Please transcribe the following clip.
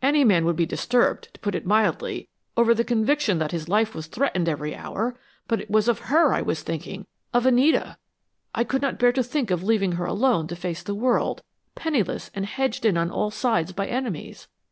Any man would be disturbed, to put it mildly, over the conviction that his life was threatened every hour, but it was of her I was thinking of Anita! I could not bear to think of leaving her alone to face the world, penniless and hedged in on all sides by enemies.